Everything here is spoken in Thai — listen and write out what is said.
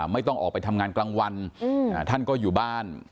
ไม่ต้องออกไปทำงานกลางวันท่านก็อยู่บ้าน